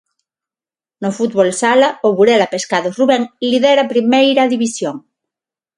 No fútbol sala, o Burela Pescados Rubén lidera a Primeira División.